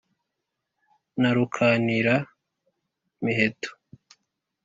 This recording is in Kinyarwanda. na rukanira-miheto,